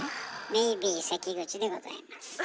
メイビー関口でございます。